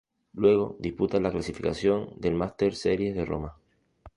Luego disputa la clasificación del Masters Series de Roma.